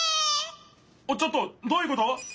ちょっとどういうこと？